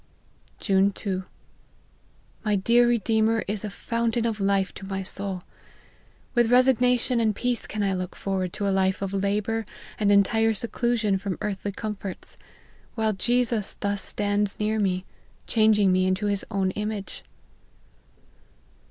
" June 2. My dear Redeemer is a fountain of life to my soul. With resignation and peace can I look forward to a life of labour and entire seclusion from earthly comforts, while Jesus thus stands near me, changing me into his own image."